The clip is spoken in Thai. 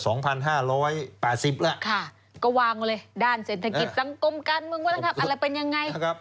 ก็วางเลยด้านเศรษฐกิจสังกรมการเมืองบันทึกอะไรเป็นยังไง